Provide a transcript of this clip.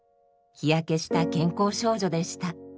日焼けした健康少女でした。